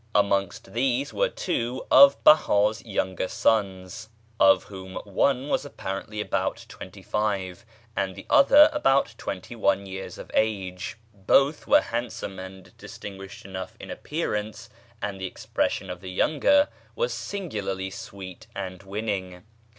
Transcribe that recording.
Amongst these were two of Behá's younger sons, of whom one was apparently about twenty five and the other about twenty one years of age. Both were handsome and distinguished enough in appearance, and the expression of the younger was singularly sweet and winning.